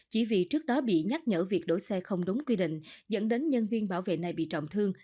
chỉ vì trước đó bị nhắc nhở việc đổi xe không đúng quy định dẫn đến nhân viên bảo vệ này bị trọng thương